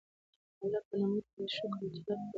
د الله په نعمت باندي د شکر متعلق به زمونږ نه تپوس کيږي